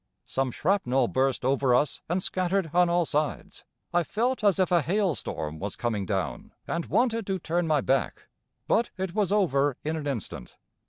Some shrapnel burst over us and scattered on all sides. I felt as if a hail storm was coming down, and wanted to turn my back, but it was over in an instant.